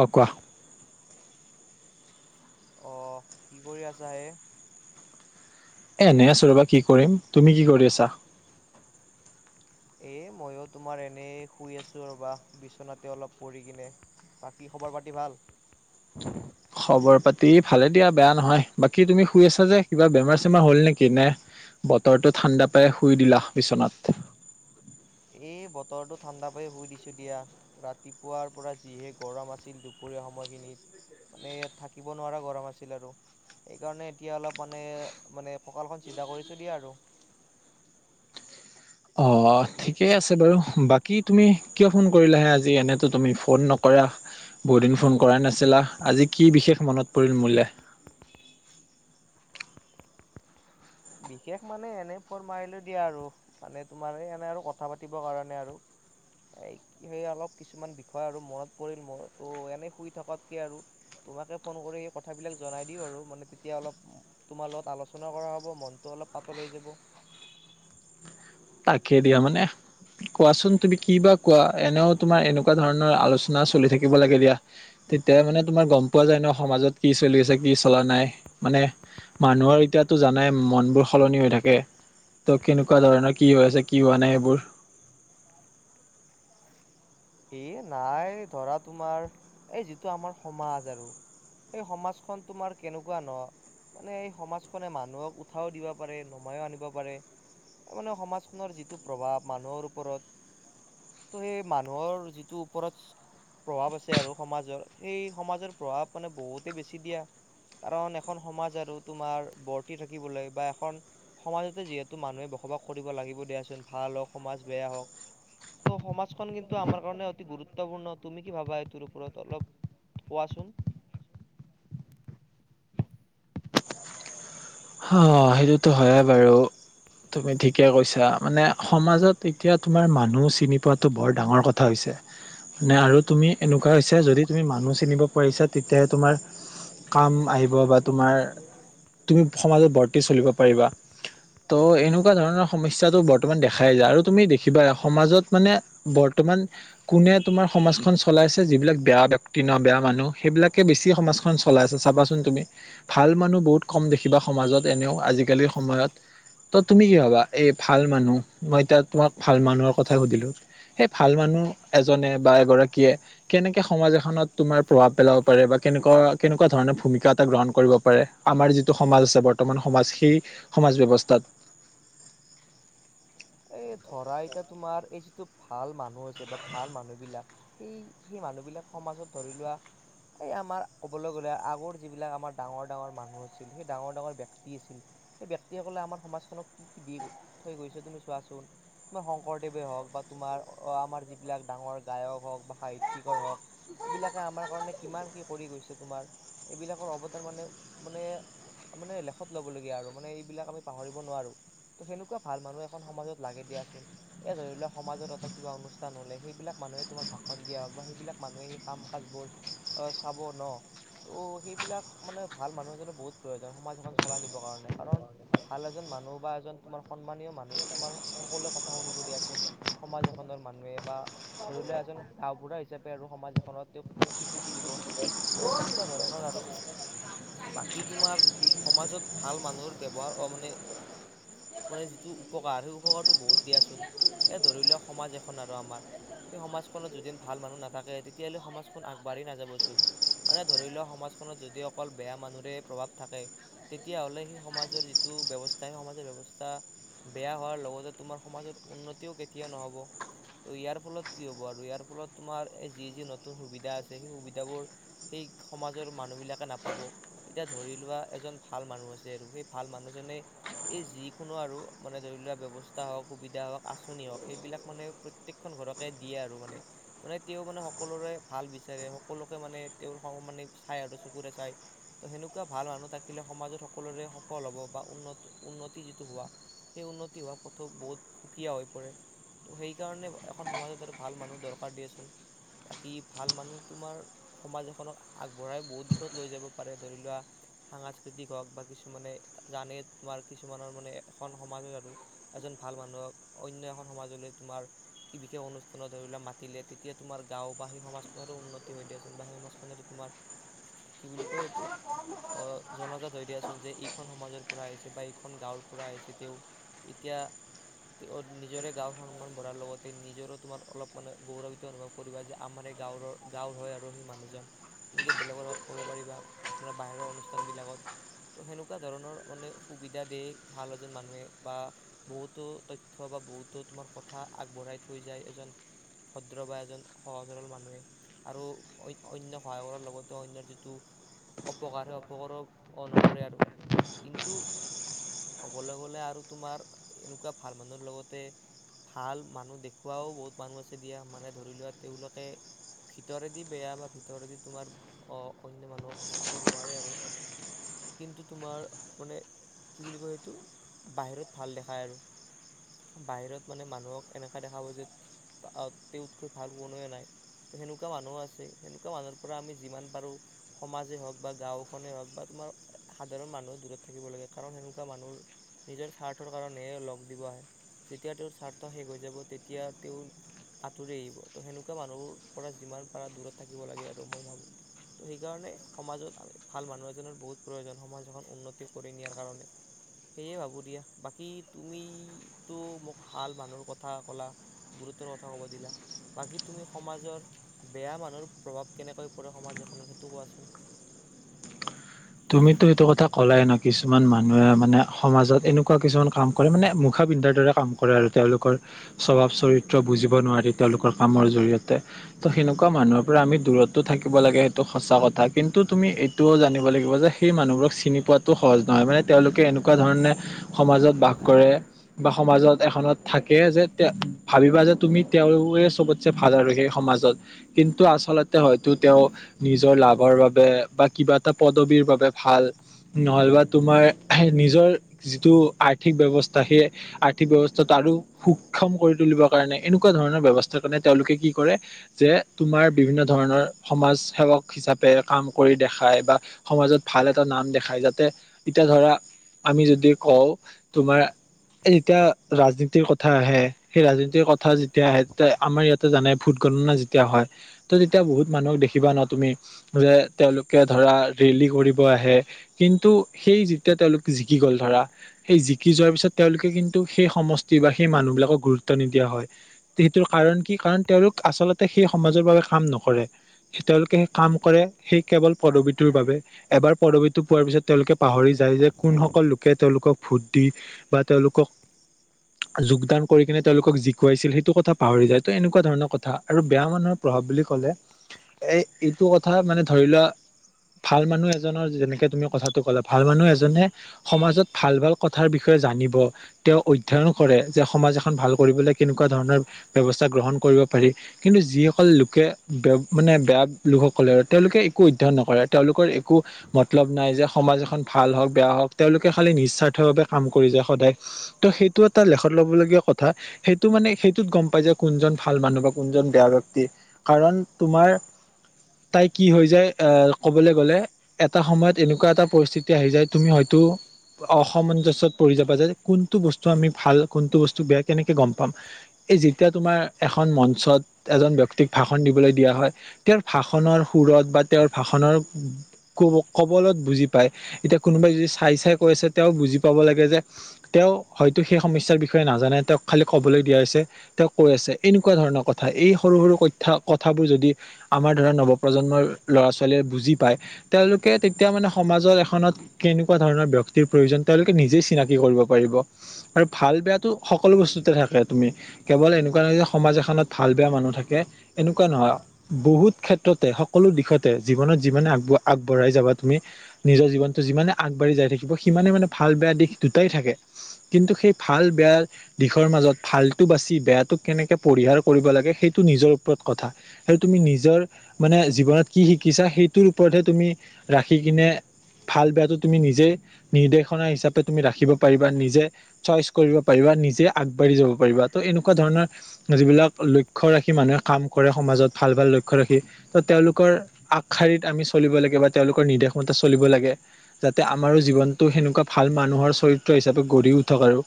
অ কোৱা? আহ কি কৰি আছা হে? এনেই আছো ৰ'বা, কি কৰিম? তুমি কি কৰি আছা? এ মইও তোমাৰ এনেই শুই আছো ৰবা বিচনাতে অলপ পৰি কিনে। বাকী খবৰ পাতি ভাল? খবৰ পাতি ভালে দিয়া বেয়া নহয়। বাকী তুমি শুই আছা যে কিবা বেমাৰ চেমাৰ হল নেকি? নে বতৰটো ঠাণ্ডা পাই শুই দিলা বিচনাত? [inaudible] এই বতৰটো ঠাণ্ডা পাই শুই দিছো দিয়া। ৰাতিপুৱাৰ পৰা যিহে গৰম আছিল দুপৰীয়া। সময়খিনিত মানে ইয়াত থাকিব নোৱাৰা গৰম আছিল আৰু। সেইকাৰণে এতিয়া অলপ মানে মানে কঁকালখন চিধা কৰিছো দিয়া আৰু। [inaudible] অ ঠিকেই আছে বাৰু, বাকী তুমি কিয় ফোন কৰিলাহে আজি? এনেতো তুমি ফোন নক- ৰা, বহুতদিন ফোন কৰাই নাছিলা আজি কি বিশেষ মনত পৰিল মোলে? [inaudible] বিশেষ মানে এনে ফোন মাৰিলো দিয়া আৰু। মানে তোমাৰ এনে আৰু কথা পাতিবৰ কাৰণে আৰু। এ সেই অলপ কিছুমান বিষয় আৰু মনত পৰিল মোৰ, তো এনে শুই থকাতকে আৰু তোমাকে ফোন কৰি সেই কথাবিলাক জনাই দিও আৰু, মানে তেতিয়া অলপ তোমাৰ লগত আলোচনা কৰা হব মন ত অলপ পাতল হৈ যাব। তাকে দিয়া মানে। কোৱাচোন তুমি কি বা কোৱা এনেও তোমাৰ এনেকুৱা ধৰণৰ আলোচনা চলি থাকিব লাগে দিয়া। তেতিয়া মানে তোমাৰ গম পোৱা যায় ন সমাজত কি চলি আছে কি চলা নাই। মানে মানুহৰ এতিয়াটো জানাই মন বোৰ সলনি হৈ থাকে। ত' কেনেকুৱা ধৰণৰ কি হৈ আছে, কি হোৱা নাই সেইবোৰ এ নাই ধৰা তোমাৰ এই যিটো আমাৰ সমাজ আৰু। সেই সমাজখন তোমাৰ কেনেকুৱা ন। মানে এই সমাজখনে মানুহক উঠাও দিব পাৰে নমাইও আনিব পাৰে। মানে সমাজখনৰ যিটো প্ৰভাৱ মানুহৰ ওপৰত, ত সেই মান- নৰ যিটো ওপৰচ- প্ৰভাৱ আছে আৰু সমাজৰ, সেই সমাজৰ প্ৰভাৱ মানে বহুতে বেছি দিয়া। কাৰণ এখন সমাজ আৰু তোমাৰ বৰ্তি থাকিবলৈ বা এখন সমাজতে যিহেতু মানুহে বস- সবাস কৰিব লাগিব দিয়াচোন ভাল হওক, সমাজ বেয়া হওক ত' সমাজখন কিন- টো আমাৰ কাৰণে অতি গুৰুত্বপূৰ্ণ তুমি কি ভাবা এইটোৰ ওপৰত অলপ কোৱাচোন? [inaudible] অ সেইটোতো হয়ে বাৰু। তুমি ঠিকে কৈছা। মানে সমাজত এতিয়া তোমাৰ মানুহ চিনি পোৱাটো বৰ ডাঙৰ কথা হৈছে। মানে আৰু তুমি এনেকুৱা হৈছে, যদি তুমি মানুহ চিনিব পাৰিছা তেতিয়াহে তোমাৰ কাম আহিব বা তোমাৰ তুমি সমাজত বৰ্তি চলিব পাৰিবা। ত' এনেকুৱা ধৰণৰ সমস্যাটো বৰ্তমান দেখাই যায়, আৰু তুমি দেখিবা সমাজত মানে বৰ্ত- বৰ্তমান কোনে তোমাৰ সমাজখন চলাইছে, যিবিলাক বেয়া ব্যক্তি ন বেয়া মানুহ সেইবিলাকে বেছি সমাজ চলাই আছে চাবাচোন তুমি ভাল মানুহ বহুত কম দে- কিবা সমাজত এনেও আজিকালিৰ সময়ত ত তুমি কি ভবা এই ভাল মানুহ মই এতিয়া তোমাক ভাল মানুহৰ কথা সুধিলো সেই ভাল মানুহ কো এজনে বা এগৰাকীয়ে কেনেকে সমাজ এখনত তোমাৰ প্ৰভাৱ পেলাব পাৰে বা কেনেকুৱা কে- এনেকুৱা ধৰণৰ ভূমিকা এটা গ্ৰহণ কৰিব পাৰে আমাৰ যিট- সমাজ আছে বৰ্তমান সমাজ সেই সমাজ ব্যৱস্থাত। এ ধৰা এতা তোমাৰ এই যিটো ভাল মানুহ আছে বা ভাল মানুহ বিলাক সেই সেই মান মানুহ বিলাক সমাজত ধৰি লোৱা এই আমাৰ ক'বলৈ গ'লে আগৰ যিবিলাক আমাৰ ডাঙৰ ডাঙৰ মানুহ আছিল। সেই ডাঙৰ ডাঙৰ ব্যক্তি আছিল। সেই ব্যক্তিসকলে আমাৰ সমাজখনক কি কি দি থৈ গৈছে তুমি চোৱাচোন। তোমাৰ শংকৰদেৱে হওক বা তোমাৰ আমাৰ যিবিলাক ডাঙৰ গায়ক হওক বা সাহিত্যিকৰ হওক। এইবিলাকে আমাৰ কাৰণে কিমান কি কৰি গৈছে তোমাৰ, এইবিলাকৰ অৱদান মানে মানে মানে লেখত ল'ব লগীয়া আৰু মানে এইবিলাক আমি পাহৰিব নোৱাৰো। ত সেনেকুৱা ভাল মানুহে খন সমাজত লাগে দিয়া চোন। এ ধৰি লোৱা সমাজত এটা কিবা অনুষ্ঠান হ'লে সেইবিলাক মানুহে তোমাৰ ভাষণ দিয়া হ বা সেইবিলাক মানুহেই সেই কাম-কাজবোৰ অ চাব ন? ত' সেইবিলাক মানে ভাল মানুহ এজনৰ বহুত প্ৰয়োজন সমাজ এখন চলাই নিবৰ কাৰণে। কাৰণ ভাল এজন মানুহ বা এজন তোমাৰ সন্মানীয় মানুহ তোমাৰ সকলোৱে কথা শুনিব দিয়াচোন। সমাজ এখনৰ মানুহে বা ধৰি লোৱা এজন গাঁও হি হিচাপে আৰু সমাজ এখনত তেওঁক স স্বীকৃতি দিব। ত' সেনেকুৱা ধৰণৰ আৰু। বাকী তোমাৰ সমাজত ভাল মানুহৰ ব্যৱহাৰ অ মানে মানে যিটো উপকাৰ সেই উপকাৰটো বহুত দিয়াচোন। এ ধৰি লোৱাক সমাজ এখন আৰু আমাৰ সেই সমাজখনত যদি ভা ভাল মানুহ নাথাকে তেতিয়াহ'লে সমাজখন আগবাঢ়ি নাযাবচোন। মানে ধৰি লোৱা সমাজখনত যদি অকল বেয়া মান মানুহৰে প্ৰভাৱ থাকে, তেতিয়াহ'লে সেই সমাজৰ যিটো ব্যৱস্থা সেই সমাজৰ ব্যৱস্থা বেয়া হোৱাৰ লগতে তোমাৰ সমাজত উন্নতিও কেতিয়া নহ'ব। ত' ইয়াৰ ফলত কি হ'ব আৰু ইয়াৰ ফলত তোমাৰ এই যি যি নতুন সুবিধা আছে সেই সুবিধাবোৰ সেই সমাজৰ মানুহ বিলাকে নাপাব। এতিয়া ধৰি লোৱা এজন ভাল মানুহ আছে আৰু সেই ভাল মানুহজনে এ যিকোনো আৰু মানে ধৰি লোৱা ব্যৱস্থা হওক, সুবিধা হওক, আঁচনি হওক সেইবিলাক মানে প্ৰত্যেকখন ঘৰকে দিয়ে আৰু মানে। মানে তেওঁ মানে সকলোৰে ভাল বিচাৰে। সকলোকে মানে তেওঁৰ [unintelligible] মানে চাই আৰু চকুৰে চায়। ত সেনেকুৱা ভাল মানুহ থাকিলে সমাজত সকলোৰে সফল হ'ব বা উন্ন উন্নতি যিটো হোৱা সেই উন্নতি হোৱা পথো বহুত সুকীয়া হৈ পৰে। ত সেই কাৰণে এখন সমাজত আৰু ভাল মানুহ দৰকাৰ দিয়াচোন। বাকী ভাল মানুহ তোমাৰ সমাজ এখনক আগবঢ়াই বহুত দিশত লৈ যাব পাৰে। ধৰি লোৱা সাংস্কৃতিক হওঁক বা কিছুমানে জানে তোমাৰ। কিছুমানৰ মানে এখন সমাজে বাৰু এজন ভাল মানুহক অন্য এখন সমাজলৈ তোমাৰ কি বিশেষ অনুষ্ঠানত ধৰি লোৱা মাতিলে তেতিয়া তোমাৰ গাঁও বা সেই সমাজখনৰো উন্নতি হৈ দিয়াচোন বা সেই সমাজখনেটো তোমাক কি বুলি কয় এইটো? অ জনাজাত হয় দিয়াচোন যে ইখন সমাজৰ পৰা আহিছে বা ইখন গাঁৱৰ পৰা আহিছে। তেওঁ এতিয়া তেওঁ নিজৰে গাঁৱৰ সন্মান বঢ়াৰ লগতে, নিজৰো তোমাৰ অলপ মানে গৌৰাম্বিত অনুভৱ কৰিবা যে আমাৰে গাঁৱৰৰ গাঁৱৰ হয় আৰু সেই মানুহজন। এনেকে বেলেগৰ লগত ক'ব পাৰিবা ধৰা বাহিৰৰ অনুষ্ঠান বিলাকত। ত' সেনেকুৱা ধৰণৰ অনেক সুবিধা দেই। ভাল এজন মানুহে বা বহুতো তথ্য বা বহুতো তোমাৰ কথা আগবঢ়াই থৈ যায় এজন ভদ্ৰ বা এজন সহজ সৰল মানুহে। আৰু অই-অন্য সহায় কৰাৰ লগতে অন্য যিটো অপকাৰ সেই অপকাৰ অ নকৰে আৰু। কিন্তু ক'বলৈ গ'লে আৰু তোমাৰ এনেকুৱা ভাল মানুহৰ লগতে ভাল মানুহ দেখুৱাও বহুত মানুহ আছে দিয়া। মানে ধৰি লোৱা তেওঁলোকে ভিতৰেদি বেয়া বা ভিতৰেদি তোমাৰ অ-অন্য মানুহক চাব নোৱাৰে আৰু। কিন্তু তোমাৰ মানে কি বুলি কয় সেইটো? বাহিৰত ভাল দেখায় আৰু। বাহিৰত মানে মানুহক এনেকা দেখাব যে প তেওঁতকৈ ভাল কোনোৱে নাই। ত সেনেকুৱা মানুহো আছে। সেনেকুৱা মানুহৰ পৰা আমি যিমান পাৰো সমাজে হওঁক বা গাওঁখনে হওঁক বা তোমাৰ সাধাৰণ মানুহ দূৰত থাকিব লাগে। কাৰণ সেনেকুৱা মানুহৰ নিজৰ স্বাৰ্থৰ কাৰণেহে লগ দিব আহে। যেতিয়া তেওঁৰ স্বাৰ্থ শেষ হৈ যাব তেতিয়া তেওঁৰ আঁতৰি আহিব। তো সেনেকুৱা মানুহৰ পৰা যিমান পাৰা দূৰত থাকিব লাগে আৰু মই ভাবো। ত' সেইকাৰণে সমাজত ভাল মানুহ এজনৰ বহুত প্ৰয়োজন। সমাজ এখন উন্নতি কৰি নিয়াৰ কাৰণে। সেয়ে ভাবো দিয়া। বাকী তুমি তো মোক ভাল মানুহৰ কথা কলা। গুৰুত্বৰ কথা ক'ব দিলা। বাকী তুমি সমাজৰ বেয়া মানুহৰ প্ৰভাৱ কেনেকৈ পৰে সমাজ এখনত সেইটো কোৱাচোন। [unintelligible] তুমিতো সেইটো কথা কলাই ন, কিছুমান মানুহে মানে সমাজত এনেকুৱা কিছুমান কাম কৰে মানে মুখা পিন্ধাৰ দৰে কাম কৰে আৰু তেওঁলোকৰ স্বভাৱ চৰিত্ৰ বুজিব নোৱাৰি তেওঁলোকৰ কামৰ জৰিয়তে। ত সেনেকুৱা মানুহৰ পৰা আমি দূৰতটো থাকিব লাগে সেইটো সঁচা কথা কিন্তু তুমি এইটোও জানিব লাগিব মাজৰ সেই মানুহবোৰক চিনি পোৱাটো সহজ নহয়। মানে তেওঁলোকে এনেকুৱা ধৰণে সমাজত বাস কৰে বা সমাজত এখনত থাকে যে তে ভাবিবা যে তুমি তেৱে চবতছে ভাল আৰু সেই সম মাজত কিন্তু আচলতে হয়তো তেওঁ নিজৰ লাভৰ বাবে বা কিবা এটা পদবীৰ বাবে ভাল। নহ'লে বা তোমাৰ নিজৰ যিটো আৰ্থিক ব্যৱস্থা সেই আৰ্থিক ব্যৱস্থা টো আৰু সুক্ষম কৰি তুলিবৰ কাৰণে এনেকুৱা ধৰণৰ ব্যৱস্থাৰ‌ কাৰণে তেওঁলোকে কি কৰে যে তোমাৰ বিভিন্ন ধৰণৰ সমাজ সেৱক হিচাপে কাম কৰি দেখায় বা সমাজত ভাল এটা নাম দেখায় যাতে এতিয়া ধৰা আমি যদি কওঁ তোমাৰ যেতিয়া ৰাজনীতিৰ কথা আহে সেই ৰাজনীতিৰ কথা যেতিয়া আহে তেতিয়া আমাৰ ইয়াতে জানে ভোট গণনা যেতিয়া হয়। তো তেতিয়া বহুত মানুহক দেখিবা ন তুমি যে তেওঁলোকে ধৰা ৰেলী কৰিব আহে। কিন্তু সেই যেতিয়া তেওঁলোক জিকি গ'ল ধৰা, সেই জিকি যোৱাৰ পিছত তেওঁলোকে কিন্তু সেই সমষ্টি বা সেই মানুহবিলাকক গুৰুত্ব নিদিয়া হয়। সেইটোৰ কাৰণ কি কাৰণ তেওঁলোক আচলতে সেই সমাজৰ বাবে কাম নকৰে। তেওঁলোকে সেই কাম কৰে সেই কেৱল পদবী পদবীৰ বাবে। এবাৰ পদবীটো পোৱাৰ পিছত তেওঁলোকে পাহৰি যায় যে কোনসকল লোকে তেওঁলোকক ভোট দি বা তেওঁলোকক যোগদান কৰি কিনে তেওঁলোকক জিকুৱাইছিল সেইটো কথা পাহৰি যায় ত এনেকুৱা ধৰণৰ কথা আৰু বেয়া মানুহৰ প্ৰ- প্ৰভাব বুলি ক'লে এই এইটো কথা মানে ধৰি লোৱা ভাল মানুহ এজনৰ যেনেকে তুমি কথাটো ক'লা। ভাল মানুহ এজনে সমাজত ভাল ভাল কথাৰ বিষয়ে জান নিব তেওঁ অধ্যয়ন কৰে যে সমাজ এখন ভাল কৰিবলে কেনেকুৱা ধৰণৰ ব্যৱস্থা গ্ৰহন কৰিব পাৰি। কিন্তু যিসকল লোকে মানে বেয়া লোকসকলে আৰু তেওঁলোকে একো অধ্যয়ন নকৰে। তেওঁলোকৰ একো মতলব নাই যে স সমাজ এখন ভাল হওক বেয়া হওক তেওঁলোকে খালি নিস্বাৰ্থ ভাবে কাম কৰি যায় সদায়। তো সেইটো এটা লেখত ল'বলগীয়া কথা। সেইটো মানে সেইটোত গম পাই যে কোনজন ভাল মানুহ বা কোনজন বেয়া ব্যক্তি। কাৰণ তোমাৰ তাই কি হৈ যায় উম এ ক'বলৈ গ'লে এটা সময়ত এনেকুৱা এটা পৰিস্থিতি আহি যায় তুমি হয়তো অসামঞ্জস্যত পৰি যাবা যে কোনটো বস্তু আমি ভাল, কোনটো বস্তু বেয়া কেনেকে গম পাম। এই যেতিয়া তোমাৰ এখন মঞ্চত এজন ব্যক্তিক ভাষণ দিবলৈ দিয়া হয় তেওঁৰ ভাষণৰ সুৰ বোৰত বা তেওঁৰ ভাষণ কবলত বুজি পায়। এতিয়া কোনোবাই যদি চাই চাই কৈ আছে তেওঁ বুজি পাব লাগ ব যে তেওঁ হয়তো সেই সমস্যাৰ বিষয়ে নাজানে তেওঁক খালি ক'বলৈ দিয়া হৈছে তেওঁ কৈ আছে। তেনেকুৱা ধৰণৰ কথা এই সৰু সৰু কইথা-কথাবোৰ যদি আমাৰ ধৰা নৱপ্ৰজন্মৰ ল'ৰা ছোৱালী সকলে বুজি পায়। তেওঁলোকে তেতিয়া মানে সমাজৰ এখনত কেনেকুৱা ধৰণৰ ব্যক্তিৰ প্ৰয়োজন তেওঁলোকে নিজে চিনাকি কৰিব পাৰিব আৰু ভাল বেয়াটো সকলো বস্তুতে থাকে তুমি কেৱল এনেকুৱা নহ সমাজ এখনত ভাল বেয়া মানুহ থাকে এনেকুৱা নহয়। বহুত ক্ষেত্ৰতে সকলো দিশতে জীৱনত যিমানে আগব- আগবঢ়াই যাবা তুমি নিজৰ জীৱনটো যিমানে আগবঢ়ি যাই থাকিব সিমানে মানে ভাল ভাল বেয়া দিশ দুটাই থাকে কিন্তু সেই ভাল বেয়া দিশৰ মাজত ভালটো বাচি বেয়াটোক কেনেকে পৰিহাৰ কৰিব লাগে সেইটো নিজৰ ওপৰত কথা। সেইটো তুমি নিজৰ মানে জীৱনত কি শিকিছা সেইটোৰ ওপৰতহে তুমি ৰাখি কিনে ভাল বেয়াটো তুমি নিজে নিৰ্দেশনা হিচাপে তুমি ৰাখিব পাৰিবা নিজে চইচ কৰিব পাৰিবা। বা নিজে আগবাঢ়ি যাব পাৰিবা ত' এনেকুৱা ধৰণৰ যিবিলাক লক্ষ্য ৰাখি মানুহে কাম কৰে সমাজত ভাল ভাল লক্ষ্য ৰাখি তেওঁ লোক কৰ আগশাৰীত আমি চলিব লাগে বা তেওঁলোকৰ নিৰ্দেশ মতে চলিব লাগে যাতে আমাৰো জীৱনতটো সেনেকুৱা ভাল মানুহৰ চৰিত্ৰ হিচাপে গঢ়ি উঠক আৰু।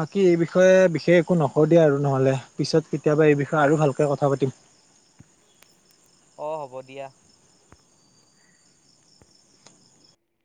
বাকী এই বিষয়ে বিশেষ একো নকওঁ দিয়া আৰু নহলে পিছত কেতিয়াবা এই বিষয়ে আৰু ভালকে কথা পাতিম। অ হ'ব দিয়া।